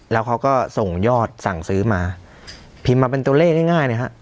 แล้วเขาก็ส่งยอดสั่งซื้อมาพิมพ์มาเป็นตัวเลขง่ายง่ายเลยฮะ